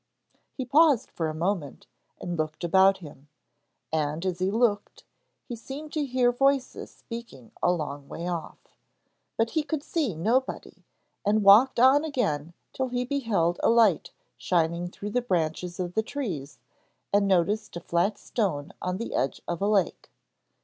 He paused for a moment and looked about him, and as he looked he seemed to hear voices speaking a long way off. But he could see nobody, and walked on again till he beheld a light shining through the branches of the trees and noticed a flat stone on the edge of a lake.